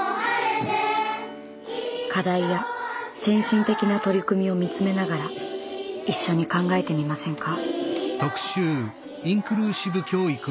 課題や先進的な取り組みを見つめながら一緒に考えてみませんか？